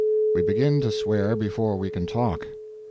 We begin to swear before we can talk.